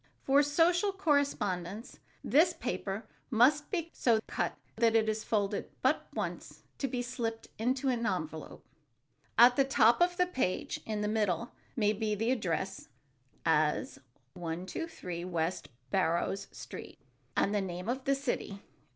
For social correspondence this paper must be so cut that it is folded but once to be slipped into an envelope. At the top of the page in the middle may be the address, as "123 West Barrows Street," and the name of the city.